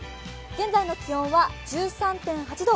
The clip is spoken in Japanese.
現在の気温は１３．８度。